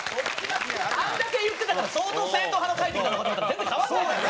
あんだけ言ってたから相当正統派の書いてるかと思ったら全然変わんないじゃん。